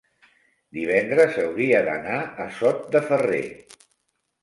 Divendres hauria d'anar a Sot de Ferrer.